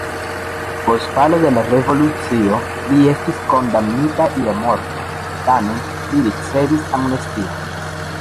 Post falo de la revolucio li estis kondamnita je morto, tamen li ricevis amnestion.